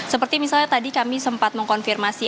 seperti misalnya tadi kami sempat mengkonfirmasi